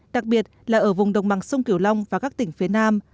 đặc biệt là ở vùng đồng bằng sông kiểu long và các tỉnh phía nam